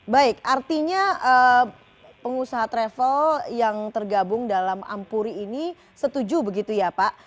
baik artinya pengusaha travel yang tergabung dalam ampuri ini setuju begitu ya pak